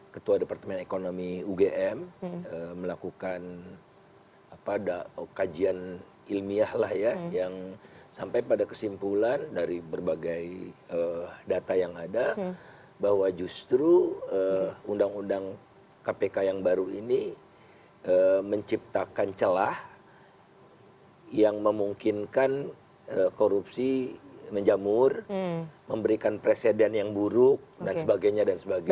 ketua departemen ekonomi ugm melakukan kajian ilmiah lah ya yang sampai pada kesimpulan dari berbagai data yang ada bahwa justru undang undang kpk yang baru ini menciptakan celah yang memungkinkan korupsi menjamur memberikan presiden yang buruk dan sebagainya dan sebagainya